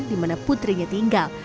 di mana putrinya tinggal